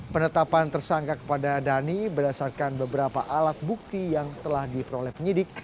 penetapan tersangka kepada dhani berdasarkan beberapa alat bukti yang telah diperoleh penyidik